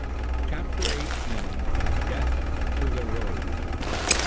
CHAPTER EIGHTEEN. "DEATH TO THE ROGUE."